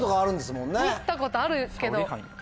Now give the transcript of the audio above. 持ったことあるんですけど。